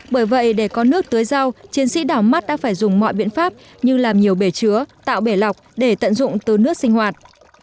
bởi vậy để có nước tưới rau chiến sĩ đảo mắt đã phải dùng mọi biện pháp như làm nhiều bể chứa tạo bể lọc để tận dụng từ nước sinh hoạt